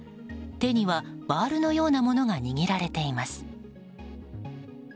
手にはバールのようなものが握られています。